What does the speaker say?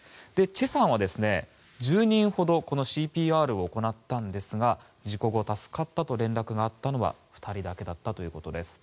チェさんは１０人ほどＣＰＲを行ったんですが事故後、助かったと連絡があったのは２人だけだったということです。